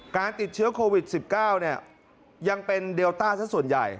การติดเชื้อโควิด๑๙ยังเป็นเดลต้าสักส่วนใหญ่